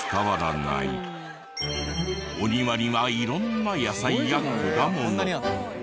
お庭には色んな野菜や果物。